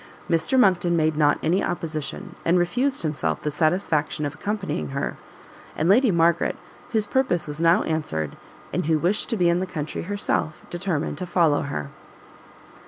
Mr Monckton made not any opposition, and refused himself the satisfaction of accompanying her: and Lady Margaret, whose purpose was now answered, and who wished to be in the country herself, determined to follow her.